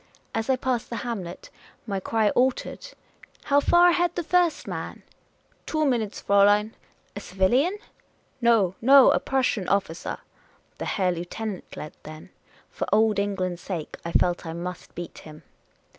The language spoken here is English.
As I passed the hamlet my cry altered. *' How far ahead the first man ?"" Two minutes, Fraulein." "A civilian?" " No, no ; a Prussian officer." The Herr Lieutenant led, then. For Old England's sake, I felt I must beat him.